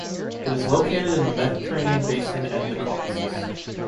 It is located in the Mediterranean Basin and the Caucasus.